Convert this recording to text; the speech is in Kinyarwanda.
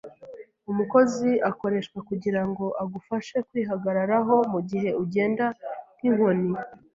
Umukozi akoreshwa kugirango agufashe kwihagararaho mugihe ugenda, nkinkoni.